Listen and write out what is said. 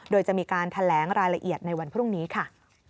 โดยจะมีการแถลงรายละเอียดในวันพรุ่งนี้ค่ะ